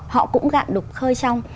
họ cũng gạm đục khơi trong